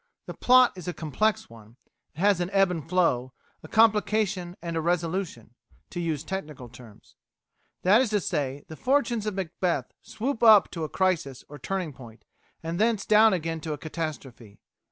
The plot is a complex one; it has an ebb and flow, a complication and a resolution, to use technical terms. That is to say, the fortunes of Macbeth swoop up to a crisis or turning point, and thence down again to a catastrophe.